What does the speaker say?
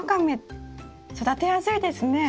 育てやすいですよ。